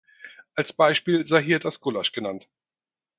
Als Beispiel sei hier das Gulasch genannt.